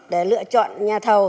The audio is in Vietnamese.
để lựa chọn nhà thầu